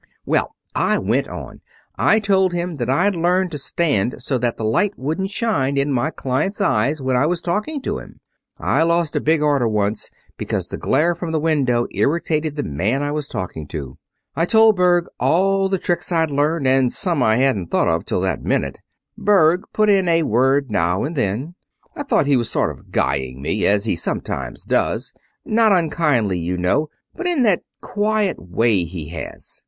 "Well, I went on. I told him that I'd learned to stand so that the light wouldn't shine in my client's eyes when I was talking to him. I lost a big order once because the glare from the window irritated the man I was talking to. I told Berg all the tricks I'd learned, and some I hadn't thought of till that minute. Berg put in a word now and then. I thought he was sort of guying me, as he sometimes does not unkindly, you know, but in that quiet way he has.